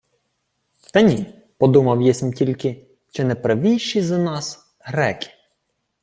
— Та ні... Подумав єсмь тільки, чи... не правійші за нас... греки.